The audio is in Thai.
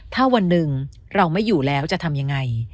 ถ้าวันหนึ่งเราไม่อยู่แล้วจะทำยังไง